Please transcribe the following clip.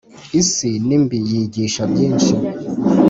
Isi nimbi yigisha byinshi